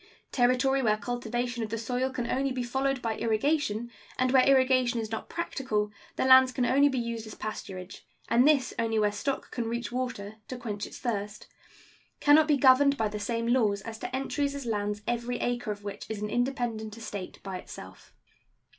Territory where cultivation of the soil can only be followed by irrigation, and where irrigation is not practicable the lands can only be used as pasturage, and this only where stock can reach water (to quench its thirst), can not be governed by the same laws as to entries as lands every acre of which is an independent estate by itself.